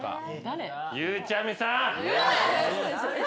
ゆうちゃみさん。